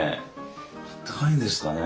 あったかいんですかね？